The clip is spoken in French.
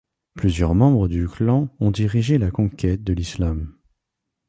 Plusieurs membres du clan ont dirigé la conquête de l'islam.